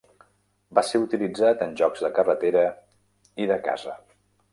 Va ser utilitzat en jocs de carretera i de casa.